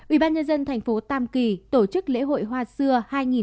ubnd thành phố tam kỳ tổ chức lễ hội hoa xưa hai nghìn hai mươi hai